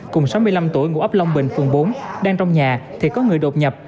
cùng sáu mươi năm tuổi ngụ ấp long bình phường bốn đang trong nhà thì có người đột nhập